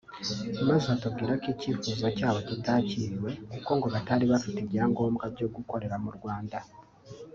maze atubwira ko icyifuzo cyabo kitakiriwe kuko ngo batari bafite ibyangombwa byo gukorera mu Rwanda